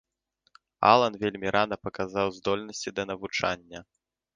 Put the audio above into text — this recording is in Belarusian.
Алан вельмі рана паказаў здольнасці да навучання.